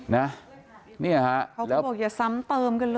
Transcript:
เขาก็บอกอย่าซ้ำเติมกันเลย